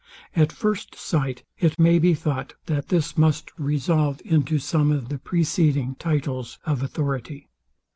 At first sight it may be thought, that this must resolve into some of the preceding titles of authority.